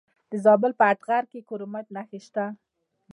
د زابل په اتغر کې د کرومایټ نښې شته.